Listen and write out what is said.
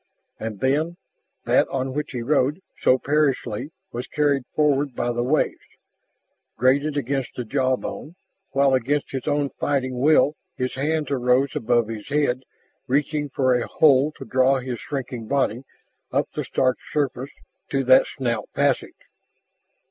And then that on which he rode so perilously was carried forward by the waves, grated against the jawbone, while against his own fighting will his hands arose above his head, reaching for a hold to draw his shrinking body up the stark surface to that snout passage.